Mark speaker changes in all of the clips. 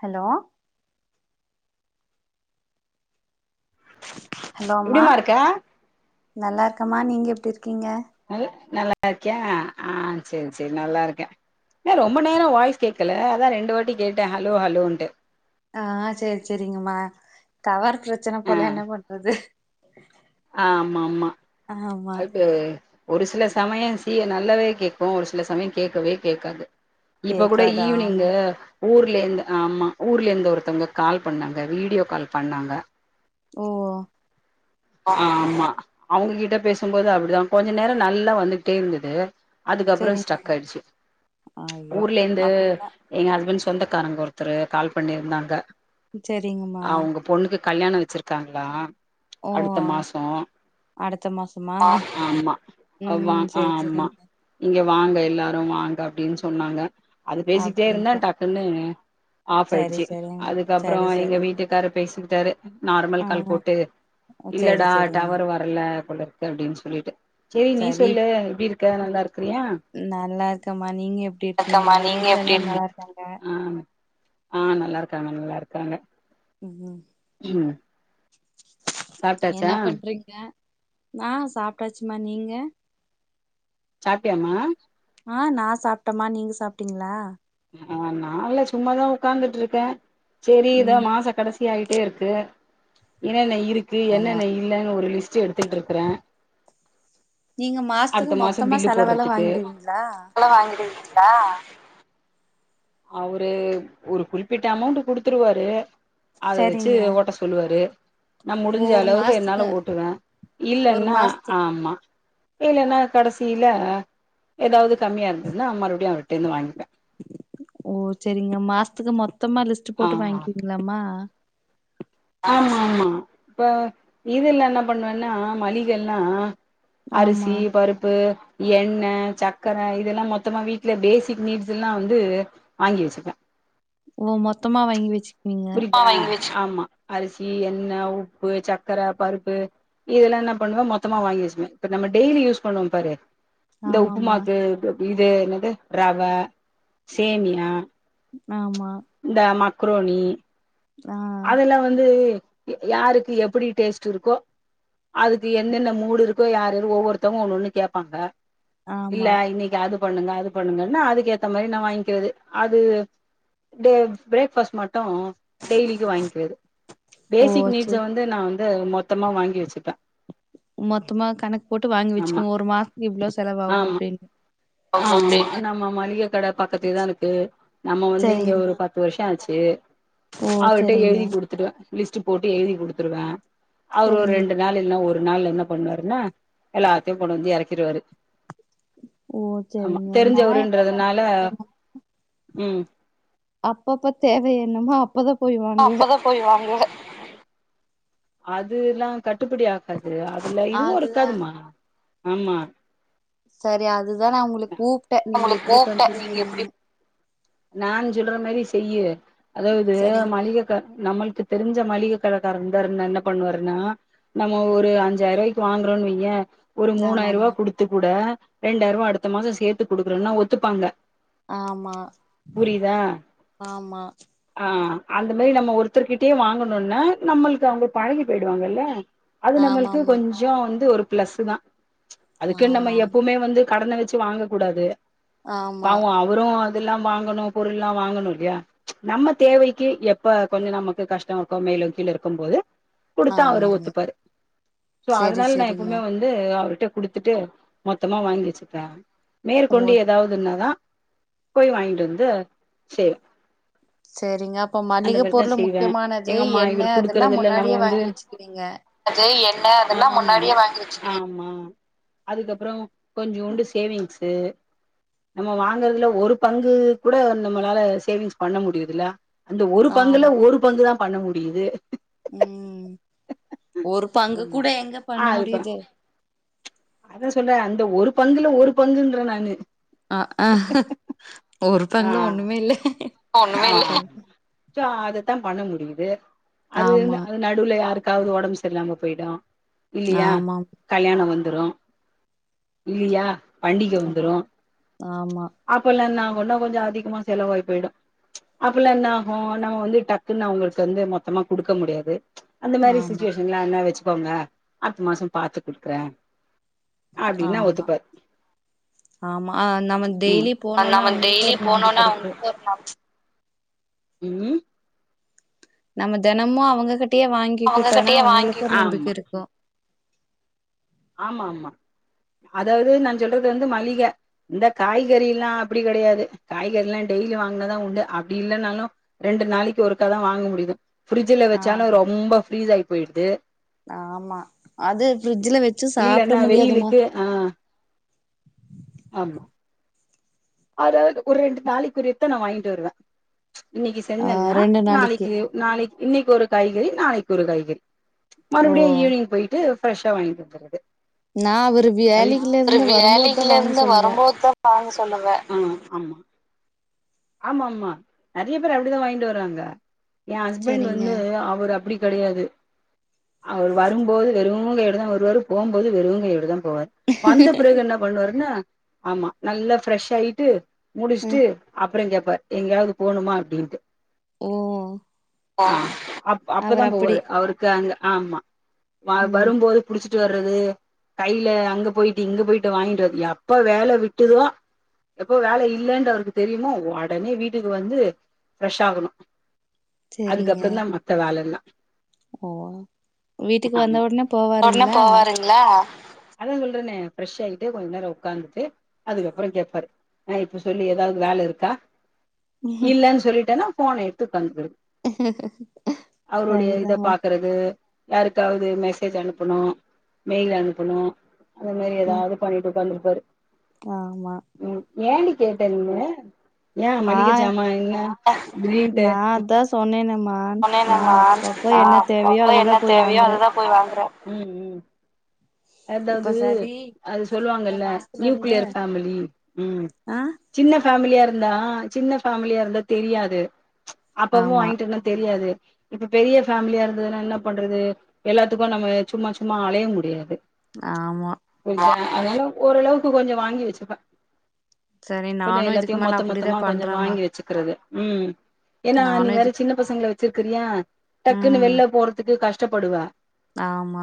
Speaker 1: Hello hello அம்மா
Speaker 2: எப்டிமா இருக்க
Speaker 1: நல்லாருக் கமா நீங்க எப்படி இருக்கீங்க
Speaker 2: நல் நல்லா இருக்கியா ஆஹ் சரி சரி நல்லா இருக்க ஏ ரொம்ப நேரம் வாய்ஸ் கேட்கல அதா ரெண்டு வாட்டி கேட்ட ஹலோ ஹலோன்ட்டு
Speaker 1: ஆஹ் சரி சரிங்கம்மா டவர் பிரச்சன போல என்ன பண்றது
Speaker 2: ஆ் ஆமா ஆமா
Speaker 1: ஆமா
Speaker 2: அது ஒரு சில சமயம் சீ நல்லவே கேட்கு ஒரு சில சமயோ கேட்கவே கேட்காது இப்ப கூட
Speaker 1: கேக்காது ஆமா
Speaker 2: ஈவினிங்கு ஊர்ல இருந்து ஆமா ஊர்ல இருந்து ஒருத்தவங்க கால் பண்ணாங்க வீடியோ கால் பண்ணாங்க
Speaker 1: ஓ
Speaker 2: ஆமா அவங்ககிட்ட பேசும்போது அப்படிதா கொஞ்சோ நேரோ நல்லா வந்துகிட்டே இருந்தது அதுக்கப்ரோ
Speaker 1: சேரிங்க
Speaker 2: ஸ்டக் ஆயிடுச்சு
Speaker 1: ஐயோ
Speaker 2: ஊர்ல இருந்து
Speaker 1: அப்டிதா
Speaker 2: எங்க ஹஸ்பண்ட் சொந்தக்காரங்க ஒருத்தரு கால் பண்ணியிருந்தாங்க
Speaker 1: சரிங்கம்மா
Speaker 2: கல்யாண வச்சிருக்காங்களா அடுத்த மாஷோ
Speaker 1: அடுத்த மாசமா
Speaker 2: ஆமா ஆமா
Speaker 1: ம்
Speaker 2: [unintelligible]
Speaker 1: சேரி
Speaker 2: ஆமா
Speaker 1: சேரிங்க
Speaker 2: இங்க வாங்க எல்லாரும் வாங்க அப்படின்னு சொன்னாங்க அது பேசிக்கிட்டே இருந்தா
Speaker 1: அப்டின்ட்டு
Speaker 2: டக்குன்னு ஆஃப்
Speaker 1: சேரி
Speaker 2: ஆயிடுச்சு
Speaker 1: சேரிங்க
Speaker 2: அதுக்கப்ரோ
Speaker 1: சேரி
Speaker 2: எங்க
Speaker 1: சேரிங்க
Speaker 2: வீட்டுக்கார பேச ட்டாரு நார்மல் கால்
Speaker 1: ஆமா
Speaker 2: போட்டு
Speaker 1: சேரி
Speaker 2: இல்லடா
Speaker 1: சேரிங்க
Speaker 2: டவர் வரல கொள்ள இருக்கு அப்படின்னு சொல்லிட்டு செரி நீ
Speaker 1: சரி
Speaker 2: சொல்லு எப்டி இருக்க நல்லா இருக்கிறியா
Speaker 1: நல்லா இருக்கேம்மா நீங்க எப்படி இருக்கீங்க
Speaker 2: வணக்கம்மா நீங்க
Speaker 1: வீட்ல எல்லா நல்லா இருக்காங்க
Speaker 2: ஆஹ் நல்லா இருக்காங்க நல்லா இருக்காங்க
Speaker 1: உம் உம்
Speaker 2: உம்
Speaker 1: என்ன பண்றீங்க நா சாப்ட்டாச்சுமா நீங்க
Speaker 2: சாப்டியாமா
Speaker 1: ஆஹ் நா சாப்ட்டேம்மா நீங்க சாப்ட்டீங்களா
Speaker 2: ஆஹ் நான்லா சும்மாதா உக்கார்ந்துட்டு இருக்க சரி இதான்
Speaker 1: ம்
Speaker 2: மாச கடசி ட்லி ஆயிட்டே இருக்கு, இன்னா நெய்யூத் இருக்கு
Speaker 1: ஆமா
Speaker 2: என்னென்ன இல்லன்னு ஒரு லிஸ்ட் ச்சி எடுத்துட்டு இருக்கற
Speaker 1: நீங்க மாசத்துக்கு மொத்தமா செலவெல்லா வாங்கிடுவ்வீங்களா
Speaker 2: ஆஹ் அவரு ஒரு குறிப்பிட்ட அமௌண்ட் குடுத்துருவாரு அத வச்சு
Speaker 1: சரிங்க
Speaker 2: ஓட்ட சொல்லுவாரு, நா முடிஞ்ச
Speaker 1: ஒரு
Speaker 2: அளவுக்கு என்னால
Speaker 1: மாசத்துக்கு
Speaker 2: ஓட்டுவே,
Speaker 1: ஒரு
Speaker 2: இல்லன்ன
Speaker 1: மாசத்துக்கு
Speaker 2: ஆம்மா இல்லன்னா கடசியில ஏதாவது கம்மியா இருந்ததுன்னா மாறுபடியு அவர்கிட்டேருந்து வாங்கிப்பே
Speaker 1: ஓ செரிங்க மாஸ்துக்கு மொத் மொத்தமா லிஸ்ட்
Speaker 2: ஆ
Speaker 1: போட்டு வாங்கிவீங்களாமா
Speaker 2: ஆமா அப்ப இதுல்லா என்ன பண்ணுவேன்னா மளிகெல்லா
Speaker 1: ஆமா
Speaker 2: அரிசி பருப்பு ம் எண்ணெ சக்கர இதெல்லா மொத்தமா வீட்டுல பேசிக் நீட்ஸ் எல்லா வந்து வாங்கி வெச்சிப்பே
Speaker 1: ஓ மொத்தமா வாங்கி வெச்சுக்குவீங்க
Speaker 2: புரியுதா ஆமா அரிசி எண்ணெ உப்பு சக்கர பருப்பு இதெல்லா என்ன பண்ணுவே மொத்தமா வாங்கி வெச்சிக்குவே இப்ப நம்ம டெய்லி யூஸ் பண்ணுவோ பாரு இந்த
Speaker 1: ஆமாமா
Speaker 2: உப்புமாக்கு இது என்னது ரவ சேமியா
Speaker 1: ஆமா
Speaker 2: க்ரோணி
Speaker 1: ஆ
Speaker 2: அதெல்லா வந்து யா யாருக்கு எப்டி டேஸ்ட் இருக்கோ அதுக்கு என்னென்ன மூடு இருக்கோ யார்யாரு ஒவ்வொருத்தவங்க ஒன்னென்னு கேப்பாங்க இல்ல
Speaker 1: ஆமா
Speaker 2: இன்னிக்கு அதுப் பண்ணுங்க அது பண்ணுங்கன்னா அதுக்கு ஏத்த மாரி நா வாங்கிக்கிறது அது டே பிரோக் ஃபாஸ்ட் மட்டோ டெய்லிக்கு வாங்கிறது
Speaker 1: ஓ
Speaker 2: பேசிக் நீட்ஸ்
Speaker 1: சரி
Speaker 2: வந்து நா வந் இத மொத்தமா வாங்கி வெச்சுப்பே
Speaker 1: மொத்மா கணக் போட்டு வாங்கி வெச்சிக்கனோ ஒரு மாஸ்துக்கு இவ்ளோ செலவாகும்
Speaker 2: ஆமா
Speaker 1: அப்டின்னு
Speaker 2: ஆமா நம்ம மளிகை கட பக்கத்துலேதா இருக்கு நம்ம வந்து இங்க ஒரு
Speaker 1: சரிங்கமா
Speaker 2: பத்து வருஷோ ஆச்சி
Speaker 1: ஓ
Speaker 2: அவர்கிட்ட
Speaker 1: சரிங்க
Speaker 2: எழுதி குடுத்துடுவே லிஸ்ட் போட்டு எழுதி குடுத்துருவே அவர் ஒரு
Speaker 1: சரிங்க
Speaker 2: ரெண்டு நாள் இல்லனா ஒரு ஒரு நாள் என்ன பண்ணுவாருன்னா எல்லாத்தையு கொண்டு வந்து எறக்கிடுவாரு
Speaker 1: ஓ சேரிங்க நா என்ன பண்ணிட்றிக்கேனா
Speaker 2: உம்
Speaker 1: அப்பப்ப தேவை என்னமோ அப்பதா போய் வாங்குவே
Speaker 2: அதுலாம் கட்டுப்படியா அது அதுல இதுவும்
Speaker 1: அதுதான்.
Speaker 2: இருகாதுமா ஆமா
Speaker 1: சேரி அதுதா நா உங்களுக் கூப்டே நீங்க
Speaker 2: உங்களுக்கு
Speaker 1: எப்டி
Speaker 2: கூப்ட்டே
Speaker 1: பண்றீங்க
Speaker 2: நீங்க எப்டி
Speaker 1: என்னன்னு
Speaker 2: நான் சொல்ற மாரி செய்யி அதாவுது
Speaker 1: சரிங்களா.
Speaker 2: மளிகை க நம்மள்க்கு தெரிஞ்ச மளிகை கடக்கார இருந்தாருனா என்ன பண்ணுவாருனா நம்ம ஒரு அஞ்சாயருவாய்க்கு வாங்கறோன் வெய்யே ஒரு மூணாயிருவா
Speaker 1: ஆமாமா.
Speaker 2: குடுத்து கூட ரெண்டாயிரூபா அடுத்த மாசம் சேர்த்து குடுக்குறோனா ஒத்துப்பாங்க
Speaker 1: ஆமா
Speaker 2: புரியுதா
Speaker 1: ஆமா,
Speaker 2: ஆ அந்த மாரி நம்ம ஒருத்தர்கிட்டயே வாங்கணுனா நம்மள்க்கு அவங்க பழகி போயிடுவாங்கில்ல அது நம்மளுக்கு
Speaker 1: ஆமாமா,
Speaker 2: கொஞ்சொ வந்து ஒரு பிளஸு தான் அதுக்குன்னு நம்ம
Speaker 1: ஆமாமா,
Speaker 2: எப்பவுமே வந்து கடனை வச்சு வாங்க கூடாது
Speaker 1: ஆமா,
Speaker 2: பாவம் அவரும் இதெல்லாம் வாங் நம்ம பொருளெல்லாம் வாங்கணு இல்லையா நம்ம தேவைக்கு எப்ப கொஞ்சம் நமக்கு கஷ்ட இருக்கோ மேலும் கீழும் இருக்கும் போது குடுத்தா அவரு
Speaker 1: ஆமாங்க.
Speaker 2: ஒத்துப்பாரு சோ
Speaker 1: சரி,
Speaker 2: அதனால நான்
Speaker 1: சரிம்மா.
Speaker 2: எப்பவுமே வந்து அவரு இதை குடுத்துட்டு மொத்தமா வாங்கி வச்சுப்பேன்
Speaker 1: ஓ!
Speaker 2: மேற்கொண்டு ஏதாவதுன்னாதான் போய் வாங்கிட்டு வந்து து சேரி
Speaker 1: செரிங்க அப்ப மளிகை பொருளு முக்கியமானது
Speaker 2: எங்கம்மா
Speaker 1: எண்ண
Speaker 2: இவரு
Speaker 1: அதெல்லா
Speaker 2: குடுக்கறதுல்ல நம்ம
Speaker 1: முன்னாடியே
Speaker 2: வந்து
Speaker 1: வாங்கி வச்சுக்கிறீங்க
Speaker 2: அது ஆமா, அதுக்கபறோ கொஞ்சோண்டு சேவிங்ஸ் நம்ம வாங்கறதுல ஒரு பங்கு கூட நம்மளால சேவிங்ஸ் பண்ண முடியுதுல அந்த ஒரு பங்குல
Speaker 1: ஆமா.
Speaker 2: ஒரு பங்குதா பண்ண முடியுது
Speaker 1: ம் ஒரு பங்கு
Speaker 2: ஆமா
Speaker 1: கூட எங்க
Speaker 2: ஆ
Speaker 1: பண்ண
Speaker 2: இப்ப
Speaker 1: முடியுது
Speaker 2: அதா சொல்றே அந்த ஒரு பங்குல ஒரு பங்குன்ற நானு
Speaker 1: அ ஒரு பங்குல ஒண்ணுமே இல்ல
Speaker 2: அ மிச்சம் அதத்தா பண்ண முடியு வே அது
Speaker 1: ஆமா
Speaker 2: என்ன அது நடுவுல யாருக் க்காவது ஒடம்பு சரில்லாம போயிடு இல்லியா
Speaker 1: ஆமா
Speaker 2: கல்யாண வந் துரு இல்லியா பண்டிகை
Speaker 1: ஆமா
Speaker 2: வந்துரும்
Speaker 1: ஆமா
Speaker 2: அப்பல்லாம் நான் ஒண்ணா கொஞ்சம் அதிகமா செலவாய் போயிடும் அப்பல்லாம் என்ன ஆகும் நம்ம வந்து டக்குன்னு அவங்களுக்கு வந்து மொத்தமா குடுக்க முடியாது அந்த மாரி
Speaker 1: ஆமா
Speaker 2: சுிட்சுவேஷன்லாம் வச்சு க்கோங்க அடுத்த மாசம் பாத்து குடுக்குறே அப்டின்னா
Speaker 1: ஆமா
Speaker 2: ஒத்துப்பாரு
Speaker 1: ஆமா ஹ் நம்ம
Speaker 2: ம்
Speaker 1: டெய்லி போனோனா
Speaker 2: நம்ம
Speaker 1: அவங்களுக்கும்
Speaker 2: டெய்லி
Speaker 1: ஒரு நம்பிக்கை
Speaker 2: போனோனா
Speaker 1: இருக்கும்
Speaker 2: ம்
Speaker 1: நம்ம தினமும் அவங்க கிட் ட்டிய வாங்கிக்கிட்டோனா
Speaker 2: அவங்ககிட்டயே வாங்கி
Speaker 1: அவங்களுக்கு ஒரு
Speaker 2: குடு
Speaker 1: நம்பிக்கை இருக்கும்
Speaker 2: ஆமா ஆமா அதாவது நான் சொல்றது வந்து மளிகை இந்த காய்கறி எல்லாம் அப்படி கிடையாது காய்கறில்லாம் டெய்லி வாங்கினதான் உண்டு அப்படி இல்லைன்னாலும் ரெண்டு நாளைக்கு ஒருக்கா தான் வாங்க முடியு பிரிட்ஜல வச்சாலும்
Speaker 1: ஆமா
Speaker 2: ரொம்ப ப்ரீஸ் ஆயிட் போயிடுது
Speaker 1: ஆமா அது ஃப்ரிட்ஜ்ல வச்சு சாப்பிட
Speaker 2: இல்லன்னா
Speaker 1: முடியாதுமா.
Speaker 2: வெயிலுக்கு ஆ ஆமா அதாவது ஒரு ரெண்டு நாளைக்குரியத்தை நான் வாங்கிட்டு வருவேன் இன்னைக்கு
Speaker 1: ஆ
Speaker 2: சென்சன்னா நாளைக்கு நாளைக்கு இன்னைக்கு ஒரு காய்கறி நாளைக்கு ஒரு காய்கறி
Speaker 1: ஓ!
Speaker 2: மறுபடியும் ஈவினிங் போயிட்டு ப்ரஷ்ஷா வாங்கி கொடுத்ருது
Speaker 1: நான் அவரு
Speaker 2: அது
Speaker 1: வேலையில
Speaker 2: அவரு
Speaker 1: இருந்து வரும்போது தான்
Speaker 2: வேலைையில
Speaker 1: வாங்க
Speaker 2: இருந்து
Speaker 1: சொல்லுவேன்.
Speaker 2: வரும்போதுதான் வாங்க சொல்லுவ ஆமா ஆமா ஆமா நெறைய பேர் அப்படிதான் வாங்கிட்டு வராங்க என் ஹஸ்பண்ட்
Speaker 1: சரிங்க.
Speaker 2: வந்து அவர் அப்படி கிடையாது அவர் வரும்போது வெறும் கையோடு தான் வருவாரு போகும்போது வெறும் கையோடு தான் போவாரு வந்த பிறகு என்ன பண்ணுவாருன்னா ஆமா நல்லா ஃப்ரெஷ் ஆயிட்டு முடிச்ட்டு
Speaker 1: ம்.
Speaker 2: அப்பறம் கேட்பார் எங்கயாவது போணுமா அப்படின்னுட்டு
Speaker 1: ஓ
Speaker 2: ஆ அப்
Speaker 1: அவர்
Speaker 2: அப்பதான்
Speaker 1: அப்படி.
Speaker 2: போவாரு அவருக்கு அங்க ஆமா வ
Speaker 1: ம்.
Speaker 2: வரும்போது புடிச்சு ய்விட்டு வறது கைல அங்க போயிட்டு இங்க போயிட்டு வாங்கிட்டுறது எப்ப வேல விட்டுதோ எப்போ வேல இல்லைன்ற அவருக்கு தெரியுமோ உடனே வீட்டுக்கு வந்து ஃப்ரெஷ் ஆகணு
Speaker 1: சரிங்க.
Speaker 2: அதுக்கப்பறம் தான் மத்த வேலல்லா
Speaker 1: ஓ வீட்டுக்கு வந்த
Speaker 2: ஆமா
Speaker 1: உடனே போவாருங்ளா
Speaker 2: அதான் சொல்றனே ஃரெஷ் ஆயிட்டு கொஞ்ச நேரோ உட்காந்துட்டு அதுக்கப்பறம் கேட்பாரு ஆஹ் இப்ப சொல்லி எதாவது வேல இருக்கா இல்லன்னு சொல்லிட்டேனா போனை எடுத்து தந்துருது அவருடைய இத
Speaker 1: சரிதாம்மா.
Speaker 2: பாக்குறது யாருக்காவது மெசேஜ் அனுப்பணு மெயில் அனுப்பணு அது மாரி எதாவது பண்ணிட்டு உட்காந்துரு பரு
Speaker 1: ஆமா
Speaker 2: ம் ஏண்டி கேட்டதுமே ஏ
Speaker 1: நா
Speaker 2: மளிகச்சாம என்ன பா திடீர்ன்டு
Speaker 1: நா அதா சொன்னேனேமா நா
Speaker 2: [unintelligible]
Speaker 1: அப்பப்ப
Speaker 2: நா
Speaker 1: என்ன தேவையோ
Speaker 2: அப்பப்ப
Speaker 1: அதுதா
Speaker 2: என்ன
Speaker 1: போய்
Speaker 2: தேவயோ
Speaker 1: வாங்குறே
Speaker 2: அதுதா போய் வாங்குறே ம் ம்
Speaker 1: இப்ப
Speaker 2: அதாவ்து
Speaker 1: சரி
Speaker 2: அது
Speaker 1: இந்த
Speaker 2: சொல்லுவாங்கல்ல
Speaker 1: மாசத்துல இருந்து
Speaker 2: நியூக்ளியர் ஃபாமிலி ம்
Speaker 1: ஆ
Speaker 2: சின்ன ஃபேமிலியா இரு ந்தா சின்ன ஃபேமிலியா இருந்தா தெரியாது ச்ச் அப்பப்போ
Speaker 1: ஆமா
Speaker 2: வான்ய்ட்டு இருந்தா தெரியாது இப்ப பெரிய ஃபேமிலியா இருந்ததுனா இன்ன பண்றது இப்ப எல்லாத்துக்கு நம்ம சும்மா சும்மா அலைய முடியாது
Speaker 1: ஆமா
Speaker 2: புரியுதா அதனால ஓரளவுக்கு கொஞ்சோ வாங்கி வெச்சுப்ப
Speaker 1: சரி
Speaker 2: கொஞ்சோ
Speaker 1: நானு இதுக்கு
Speaker 2: எல்லாத்தியு
Speaker 1: மேல
Speaker 2: மொத்த
Speaker 1: அப்டிதா
Speaker 2: மொத்தமா கொஞ்சோ
Speaker 1: பண்றேமா
Speaker 2: வாங்கி வெச்சுக்குறது ம் ஏன்னா நீ
Speaker 1: நானு
Speaker 2: வேற
Speaker 1: இது
Speaker 2: சின்ன பசங்ள வச் சுற்குறியா டக்குன்னு
Speaker 1: ம்
Speaker 2: வெளில போறதுக்கு கஷ் டப்படுவ
Speaker 1: ஆமா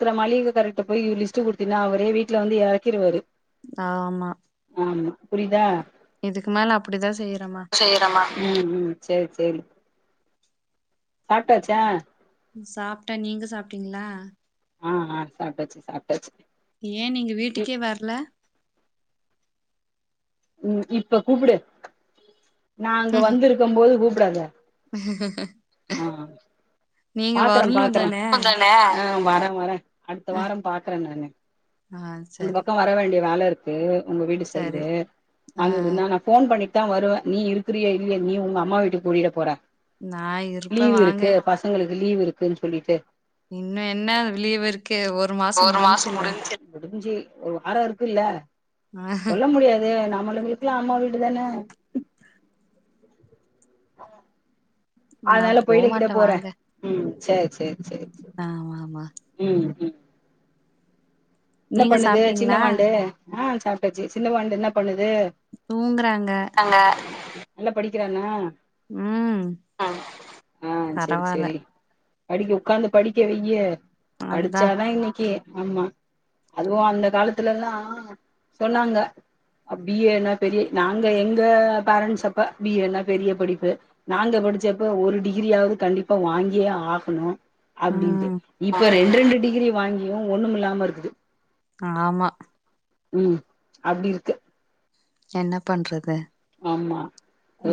Speaker 2: இருக்கிற மலிவு கரெக்ட் ட்ட போய் லிஸ்ட் குடுத்தீனா அவரே வீட்ல வந்து இறக்கிருவாரு
Speaker 1: ஆமா
Speaker 2: புரியுதா
Speaker 1: இதுக்கு மேல அப்டிதா செய்யறம்மா
Speaker 2: உம் சேரி சேரி சாப்ட்டாச்சா
Speaker 1: சாப்ட்டேன் நீங்க சாப்ட்டீங்ளா
Speaker 2: ஆஹ் ஆஹ் சாப்ட்டாச்சு சாப்ட்டாச்சு
Speaker 1: ஏ நீங்க
Speaker 2: ம்
Speaker 1: வீட்டுக்கே வர்ல
Speaker 2: உம் இப்ப கூப்டு நா அங்க வந்திருக்கும்போது கூப் டாத
Speaker 1: ஹ ஹ ஹ
Speaker 2: ஆஹ் பாக்குற
Speaker 1: வரணு
Speaker 2: பாக்குற
Speaker 1: தானே
Speaker 2: குந்தான வர வர அடுத்த வாரம் பாக்குற நானு
Speaker 1: ஆ
Speaker 2: அந்த
Speaker 1: சரி
Speaker 2: பக்கோ வர வேண்டிய வேல இருக்கு தேவை உங்க வீட்டு
Speaker 1: சரி
Speaker 2: சைடு
Speaker 1: ஆ
Speaker 2: வந்ததுனா நா போன் பண்ணி தா வருவ நீ இருக்கிறியே இல்லியெ நீ உங்க அம்மா வீட்டுக்கு போயிர போற
Speaker 1: நா இருப்ப
Speaker 2: லீவ்
Speaker 1: வாங்க
Speaker 2: இருக்கு பசங்களுக்கு லீவ் இருக்குனு சொல்லிட்டு
Speaker 1: இன்னு என்ன லீவு இருக்கு ஒரு மாசோ முடிஞ்சுல்ல
Speaker 2: ஒரு வாரோ இருக்குல்ல
Speaker 1: ஆ
Speaker 2: சொல்ல முடியாது நமக் இருக்கலா அம்மா வீடுதான ஆஹ்
Speaker 1: நா
Speaker 2: அதனால போயிட கீய்ட
Speaker 1: போமாட்டே
Speaker 2: போற
Speaker 1: வாங்க
Speaker 2: ம் சேரி சேரி சேரி சேரி
Speaker 1: ஆமா ஆமா
Speaker 2: உம் உம் என்ன
Speaker 1: நீங்க
Speaker 2: பண்ணுது
Speaker 1: சாப்ட்டீங்களா
Speaker 2: சின்னவாண்டு ஆஹ் சாப்டாச்சு சின்ன வாண்டு என்ன பண்ணுது
Speaker 1: தூங்குறாங்க
Speaker 2: அது நாங்க நல்லா படிக்கிறானா
Speaker 1: உம்
Speaker 2: ம் ஆ செரி
Speaker 1: பரவால
Speaker 2: செரி படிக்க உட்காந்து படிக்க வெய்
Speaker 1: அதா
Speaker 2: படிச்சாதா இன்னைக்கு ஆமா அதுவூ அந்த காலத்துல எல்லா சொன்னாங்க பி ஏ னா பெரிய நாங்க எங்க பேரண்ட்ஸ் அப்ப பி ஏ னா பெரிய படிப்பு நாங்க படிச்சப்ப ஒரு டிகிரியாவது கண்டிப்பா வாங்கியே ஆகணு அப்படின்ட்டு
Speaker 1: ம்
Speaker 2: இப்ப இரண்டு டிகிரி வாங்கியு ஒண்ணுமில்லாம இரு இது
Speaker 1: ஆமா
Speaker 2: உம் அப்டி இருக்கு
Speaker 1: என்ன பண்றது
Speaker 2: ஆமா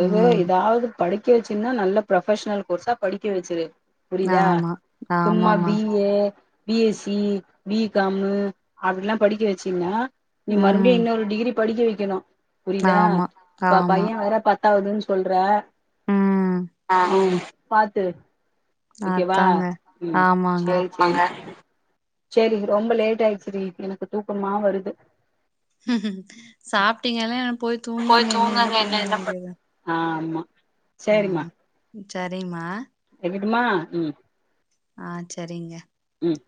Speaker 2: ஏதோ
Speaker 1: ம்
Speaker 2: இதாவது படிக்க வச்சுன்னா நல்ல ப்ரொபஷனல் கோர்ஸா படிக்கவச்சுரு புரியுதா
Speaker 1: ஆமா
Speaker 2: சும்மா
Speaker 1: ஆமாமா
Speaker 2: B A B S C B com அப்டிலா படிக்க வச்சீன்னா நீ
Speaker 1: ம்
Speaker 2: மறுபடியு இன்னொரு டிகிரி படிக்க வைக்கணு புரியுதா
Speaker 1: ஆமா
Speaker 2: இப்ப
Speaker 1: ஆமா
Speaker 2: பைய வேற பத் பத்தாவதுனு சொல்ற
Speaker 1: ம்
Speaker 2: பாத்து ஓகேவா
Speaker 1: அதாங்க
Speaker 2: ம்
Speaker 1: ஆமாங்க
Speaker 2: சேரி சேரி சேரி ரொம்ப லேட் ஆயிடுச்சு டி எனக்கு தூக்கமா வருது
Speaker 1: சாப்பிட்டீங்கல்ல
Speaker 2: போய் தூங்குங்க என்ன என்ன பண்ண சேரிமா
Speaker 1: சரிம்மா
Speaker 2: விடுமா ம்
Speaker 1: ஆ சரிங்க
Speaker 2: ம்